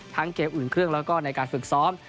เกมอุ่นเครื่องแล้วก็ในการฝึกซ้อม